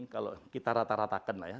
kalau kita rata ratakan lah ya